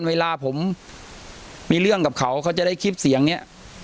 เวลาผมมีเรื่องกับเขาเขาจะได้คลิปเสียงนี้